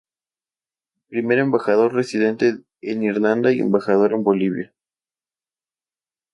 Primer embajador residente en Irlanda y embajador en Bolivia.